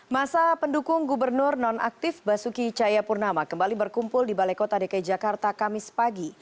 masa pendukung gubernur non aktif basuki cayapurnama kembali berkumpul di balai kota dki jakarta kamis pagi